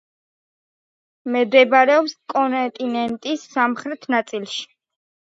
მდებარეობს კონტინენტის სამხრეთ ნაწილში.